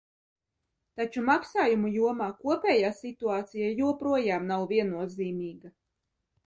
Taču maksājumu jomā kopējā situācija joprojām nav viennozīmīga.